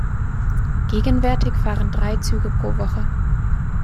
Gegenwärtig fahren drei Züge pro Woche.